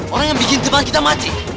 orang yang bikin tebal kita mati